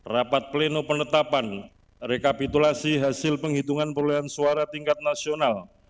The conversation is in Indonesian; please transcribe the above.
rapat pleno penetapan rekapitulasi hasil penghitungan perolehan suara tingkat nasional